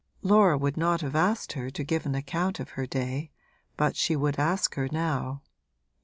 Laura would not have asked her to give an account of her day, but she would ask her now.